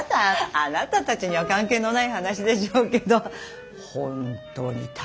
あなたたちには関係のない話でしょうけどホントに大変なのよ。